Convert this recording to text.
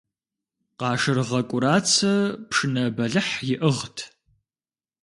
Къашыргъэ КӀурацэ пшынэ бэлыхь иӀыгът.